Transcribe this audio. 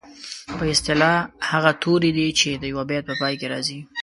په اصطلاح هغه توري دي چې د یوه بیت په پای کې راځي.